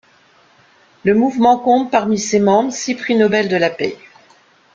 Le mouvement compte parmi ses membres six Prix Nobel de la Paix.